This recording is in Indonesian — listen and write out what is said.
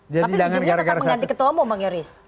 tapi ujungnya tetap mengganti ketua umum bang yoris